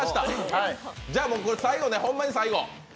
じゃあ、ほんまに最後。